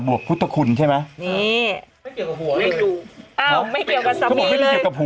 หนุ่มกัญชัยโทรมา